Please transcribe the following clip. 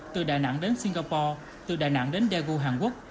từ đà nẵng đến singapore từ đà nẵng đến daegu hàn quốc